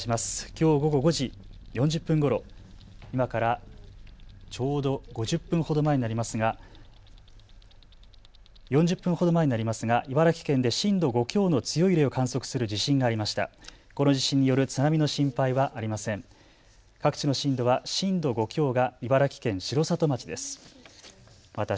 きょう午後５時４０分ごろ、今から、４０分ほど前になりますが茨城県で震度５強の強い揺れを観測する地震がありました。